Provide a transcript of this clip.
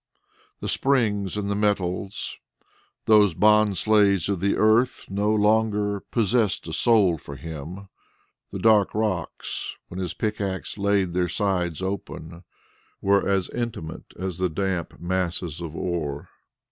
The springs and the metals, these bondslaves of the earth, no longer possessed a soul for him. The dark rocks, when his pickaxe laid their sides open, were as inanimate as the damp masses of ore.